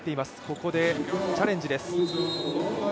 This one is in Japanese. ここでチャレンジです。